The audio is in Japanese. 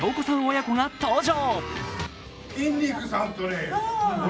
親子が登場。